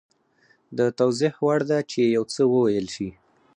د توضیح وړ ده چې یو څه وویل شي